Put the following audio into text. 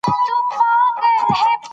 او نه مې کړى.